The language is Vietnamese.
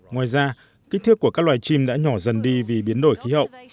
ngoài ra kích thước của các loài chim đã nhỏ dần đi vì biến đổi khí hậu